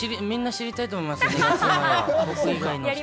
みんな知りたいと思います。